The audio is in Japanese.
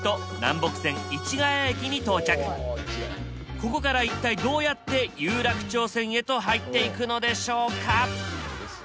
ここから一体どうやって有楽町線へと入っていくのでしょうか？